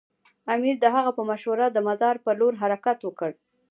امیر د هغه په مشوره د مزار پر لور حرکت وکړ.